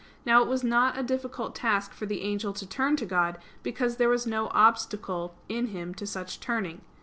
Now it was not a difficult task for the angel to turn to God; because there was no obstacle in him to such turning.